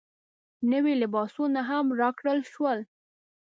نوي لباسونه هم راکړل شول.